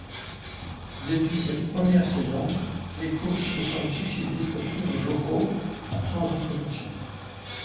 Depuis cette première saison, les courses se sont succédé pour Ur Joko sans interruption.